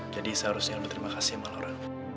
jadi seharusnya lo terima kasih sama laura